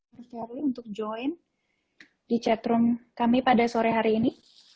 mas nyarli untuk join di chatroom kami pada sore hari ini